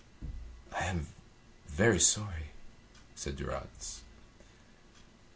"I am very sorry," said Durrance.